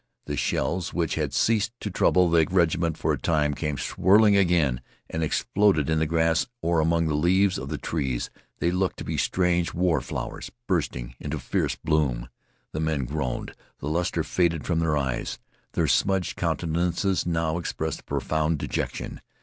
The shells, which had ceased to trouble the regiment for a time, came swirling again, and exploded in the grass or among the leaves of the trees. They looked to be strange war flowers bursting into fierce bloom. The men groaned. The luster faded from their eyes. Their smudged countenances now expressed a profound dejection.